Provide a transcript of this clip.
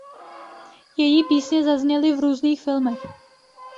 Její písně zazněly v různých filmech.